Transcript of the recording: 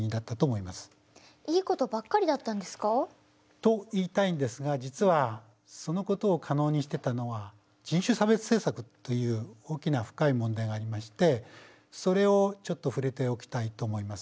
いいことばっかりだったんですか？と言いたいんですが実はそのことを可能にしてたのは人種差別政策という大きな深い問題がありましてそれをちょっと触れておきたいと思います。